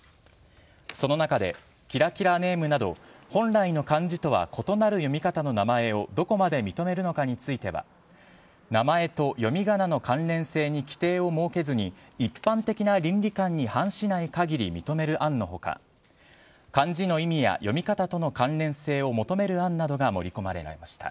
その中で、キラキラネームなど、本来の漢字とは異なる読み方の名前をどこまで認めるのかについては、名前と読みがなの関連性に規定を設けずに、一般的な倫理観に反しないかぎり認める案のほか、漢字の意味や読み方との関連性を求める案などが盛り込まれました。